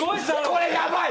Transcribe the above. これやばい！